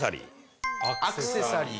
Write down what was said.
アクセサリー。